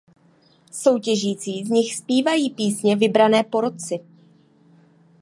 Soutěžící v nich zpívají písně vybrané porotci.